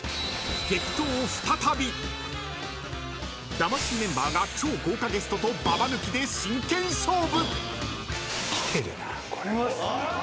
［魂メンバーが超豪華ゲストとババ抜きで真剣勝負］